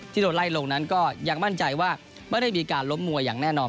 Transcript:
ที่โดนไล่ลงนั้นก็ยังมั่นใจว่าไม่ได้มีการล้มมวยอย่างแน่นอน